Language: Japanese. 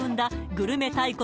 グルメ大国